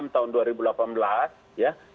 tahun dua ribu delapan belas ya